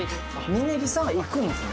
峯岸さんが行くんですね。